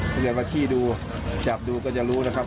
ถ้าจะมาขี้ดูจับดูก็จะรู้นะครับ